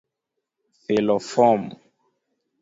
Filo fom: